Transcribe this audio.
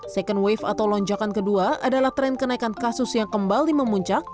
second wave atau lonjakan kedua adalah tren kenaikan kasus yang kembali memuncak